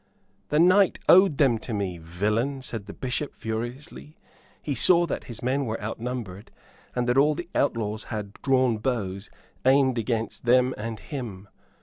"The knight owed them to me, villain," said the Bishop, furiously. He saw that his men were outnumbered, and that all the outlaws had drawn bows aimed against them and him.